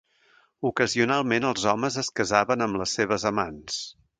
Ocasionalment els homes es casaven amb les seves amants.